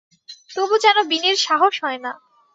তবু যেন বিনির সাহস হয় না।